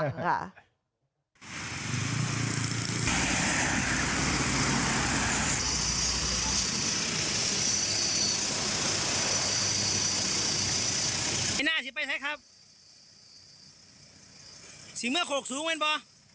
ไม่น่าจะไปเสร็จครับสิเมื่อโขกสูงเป็นป่ะ